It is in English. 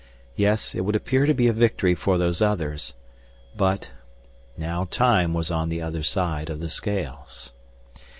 Yes, it would appear to be a victory for Those Others. But now time was on the other side of the scales.